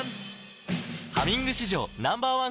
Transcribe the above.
「ハミング」史上Ｎｏ．１抗菌